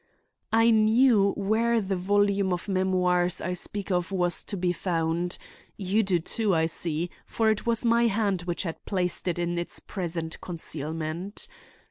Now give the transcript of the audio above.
I knew where the volume of memoirs I speak of was to be found—you do, too, I see—for it was my hand which had placed it in its present concealment.